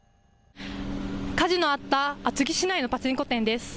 火事のあった厚木市内のパチンコ店です。